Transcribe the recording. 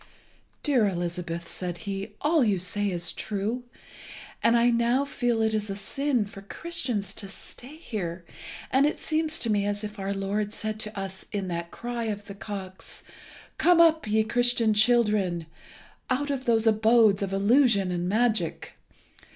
"Dear Elizabeth," said he, "all you say is true, and I now feel it is a sin for Christians to stay here, and it seems to me as if our Lord said to us in that cry of the cocks, 'Come up, ye Christian children, out of those abodes of illusion and magic.